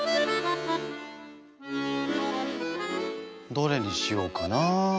どれにしようかな。